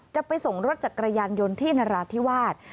จะไปส่งรถจักรยานยนต์ที่นราธิวาส